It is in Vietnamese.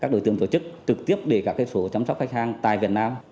đối tượng tổ chức trực tiếp để các số chăm sóc khách hàng tại việt nam